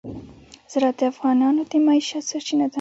زراعت د افغانانو د معیشت سرچینه ده.